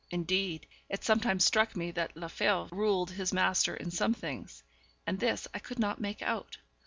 Indeed, it sometimes struck me that Lefebvre ruled his master in some things; and this I could not make out.